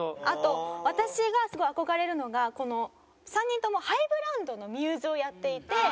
あと私がすごい憧れるのが３人ともハイブランドのミューズをやっていて。